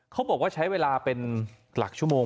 เขาบอกว่าใช้เวลาเป็นหลักชั่วโมง